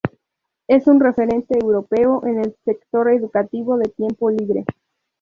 Es un referente europeo en el sector educativo de Tiempo Libre.